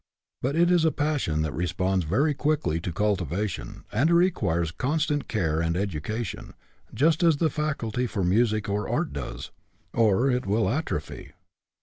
But it is a passion that responds very quickly to cultivation, and it requires constant care and education, just as the faculty for music or art does, or it will atrophy.